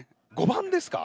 ５番ですか？